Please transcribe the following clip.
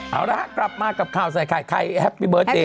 เอาละครับกลับมากับข่าวใส่ใครแฮปปี้เบอร์สเดย์